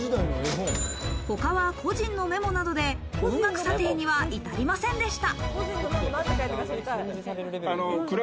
他は個人のメモなどで高額査定には至りませんでした。